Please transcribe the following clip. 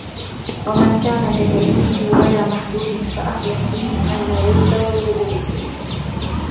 وَمَنْ كَانَ تَكَلُّفُهُ غَيْرَ مَحْدُودٍ فَأَخْلِقْ بِهِ أَنْ يَضِلَّ وَيُضِلَّ